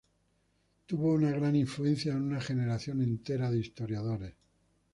Tuvo una gran influencia en una generación entera de historiadores.